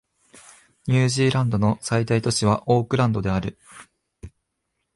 ニュージーランドの最大都市はオークランドである